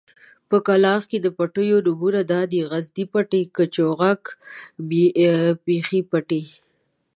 په کلاخ کې د پټيو نومونه دادي: غزني پټی، کچوغک، بېخۍ پټی.